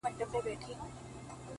• چي در رسېږم نه؛ نو څه وکړم ه ياره؛